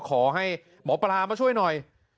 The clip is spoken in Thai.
ขอให้หมอปลามาช่วยหน่อย